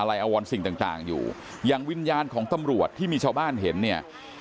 อวรสิ่งต่างต่างอยู่อย่างวิญญาณของตำรวจที่มีชาวบ้านเห็นเนี่ย